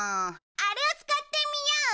あれを使ってみよう！